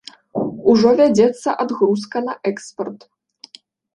Ужо вядзецца адгрузка на экспарт.